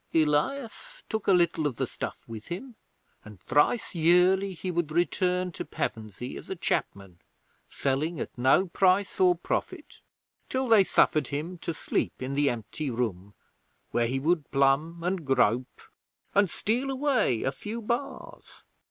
'Elias took a little of the stuff with him, and thrice yearly he would return to Pevensey as a chapman, selling at no price or profit, till they suffered him to sleep in the empty room, where he would plumb and grope, and steal away a few bars.